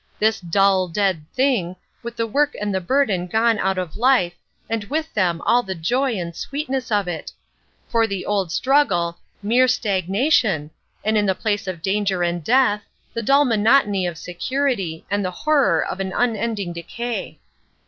This dull, dead thing, with the work and the burden gone out of life, and with them all the joy and sweetness of it. For the old struggle—mere stagnation, and in place of danger and death, the dull monotony of security and the horror of an unending decay!